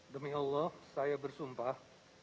demi allah saya bersumpah